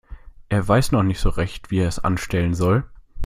Er weiß noch nicht so recht, wie er es anstellen soll.